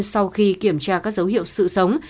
sau khi kiểm tra các dấu hiệu sự sống